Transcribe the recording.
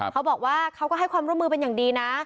เขาบอกว่าเขาก็ให้ความร่วมมือเป็นอย่างดีนะ